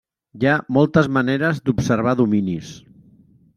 Hi ha moltes maneres d'observar dominis.